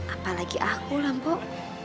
apalagi aku lah mpok